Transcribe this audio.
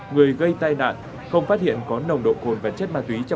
người gây tai nạn không phát hiện có nồng độ cồn và chất ma túy